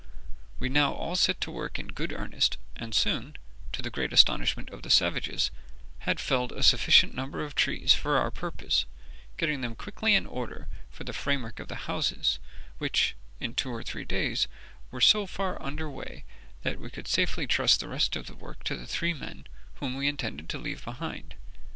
We now all set to work in good earnest, and soon, to the great astonishment of the savages, had felled a sufficient number of trees for our purpose, getting them quickly in order for the framework of the houses, which in two or three days were so far under way that we could safely trust the rest of the work to the three men whom we intended to leave behind.